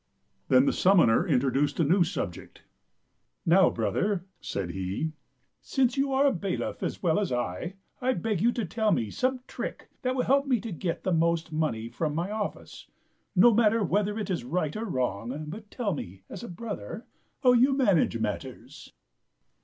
Then the summoner introduced a new subject. " Now, brother," said he, " since you are a bailiff as well as I, I beg you to tell me some trick that will help me to get the most money from my office. No matter whether it is right or wrong, but tell me as a brother how you manage matters."